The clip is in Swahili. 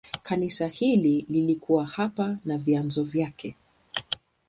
Kanisa hili lilikuwa hapa na vyanzo vyake.